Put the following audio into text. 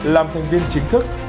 làm thành viên chính thức